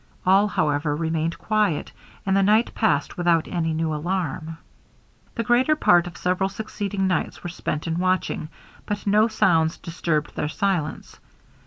All, however, remained quiet, and the night passed without any new alarm. The greater part of several succeeding nights were spent in watching, but no sounds disturbed their silence.